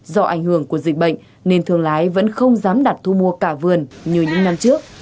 do ảnh hưởng của dịch bệnh nên thương lái vẫn không dám đặt thu mua cả vườn như những năm trước